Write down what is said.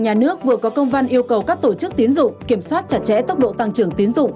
ngân hàng nhà nước vừa có công văn yêu cầu các tổ chức tín dụng kiểm soát chặt chẽ tốc độ tăng trưởng tín dụng